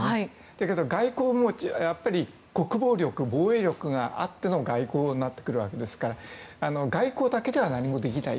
だけど、外交も国防力や防衛力があっての外交になってきますから外交だけでは何もできない。